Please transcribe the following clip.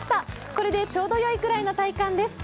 これでちょうどよいぐらいの体感です。